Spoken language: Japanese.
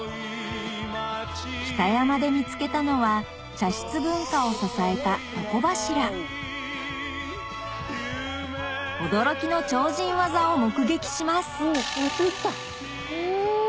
北山で見つけたのは茶室文化を支えた床柱驚きの超人技を目撃しますえ！